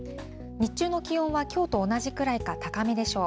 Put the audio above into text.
日中の気温はきょうと同じくらいか高めでしょう。